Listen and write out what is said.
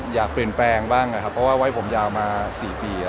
อยากเปลี่ยนแปลงบ้างครับเพราะว่าไว้ผมยาวมาสี่ปีแล้วฮะ